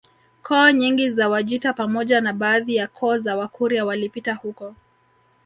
Koo nyingi za Wajita pamoja na baadhi ya koo za Wakurya walipita huko